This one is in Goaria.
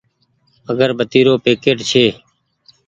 اگربتي رو پيڪيٽ ڇي۔